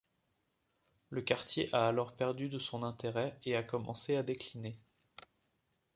Le quartier a alors perdu de son intérêt et a commencé à décliner.